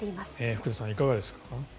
福田さん、いかがですか。